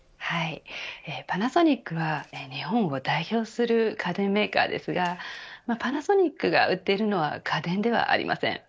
パナソニックは日本を代表する家電メーカーですがパナソニックが売っているのは家電ではありません。